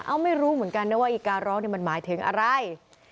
ไม่รู้เหมือนกันนะว่าอีกการร้องมันหมายถึงอะไร